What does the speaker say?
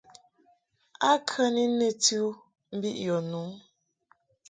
A kə ni nɨti u mbiʼ yɔ nu ?